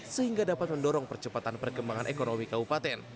sehingga dapat mendorong percepatan perkembangan ekonomi kabupaten